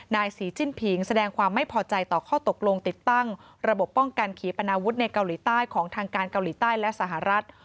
นายศรีจิ้นผิงแสดงความไม่พอใจต่อข้อตกลงติดตั้งระบบป้องกันขีปนาวุฒิในเกาหลีใต้ของทางการเกาหลีใต้และสหรัฐ